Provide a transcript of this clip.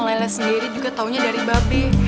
laila sendiri juga taunya dari babe